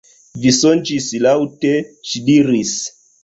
Vi sonĝis laŭte, ŝi diris.